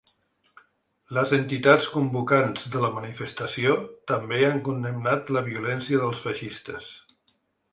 Les entitats convocants de la manifestació també han condemnat la violència dels feixistes.